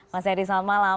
mas herdi selamat malam